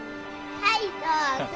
はいどうぞ。